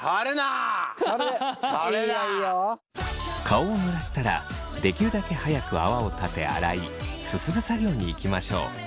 顔をぬらしたらできるだけ早く泡を立て洗いすすぐ作業にいきましょう。